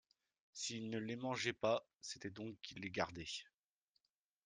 S’il ne les mangeait pas, c’était donc qu’il les gardait?